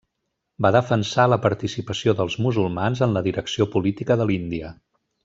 Va defensar la participació dels musulmans en la direcció política de l'Índia.